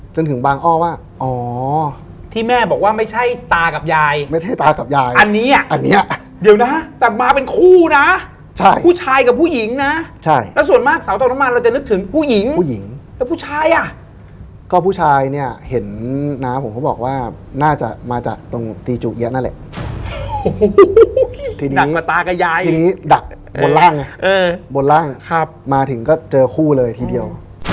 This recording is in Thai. จนถึงบังออกว่าอ๋อที่แม่บอกว่าไม่ใช่ตากับยายไม่ใช่ตากับยายอันเนี้ยอันเนี้ยเดี๋ยวนะแต่มาเป็นคู่นะใช่ผู้ชายกับผู้หญิงนะใช่แล้วส่วนมากเสาตกน้ำมันเราจะนึกถึงผู้หญิงผู้หญิงแล้วผู้ชายอ่ะก็ผู้ชายเนี้ยเห็นน้าผมเขาบอกว่าน่าจะมาจากตรงตีจูเยี๊ยนั่นแหละหนักกว่าตากับยาย